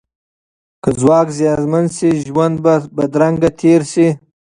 که ځواک زیانمن شي، ژوند به بدرنګ تیر شي.